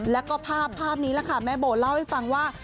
แล้วก็ภาพภาพนี้แม่โบเล่าให้ฟังว่า